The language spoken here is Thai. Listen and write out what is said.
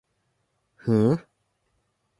หือ ?